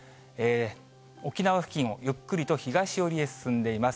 沖縄付近をゆっくりと東寄りへ進んでいます。